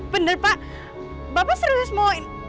bener pak bapak serius mauin